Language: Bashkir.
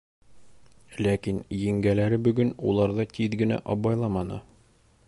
Ләкин еңгәләре бөгөн уларҙы тиҙ генә абайламаны.